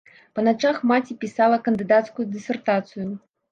Па начах маці пісала кандыдацкую дысертацыю.